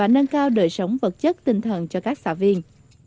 họ sống vật chất tinh thần cho các xã viên